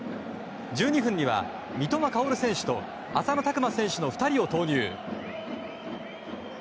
１２分には、三笘薫選手と浅野拓磨選手の２人を投入。